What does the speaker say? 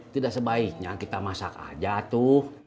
tidak sebaiknya kita masak aja tuh